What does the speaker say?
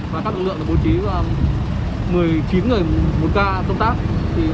và các lực lượng đã bố trí một mươi chín người một ca công tác